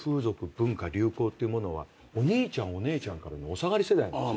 流行っていうものはお兄ちゃんお姉ちゃんからのお下がり世代なんですよ。